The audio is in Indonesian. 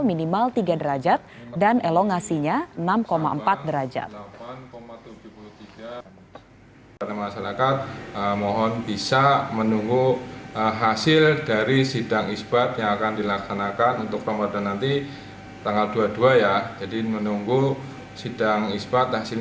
minimal tiga derajat dan elongasinya enam empat derajat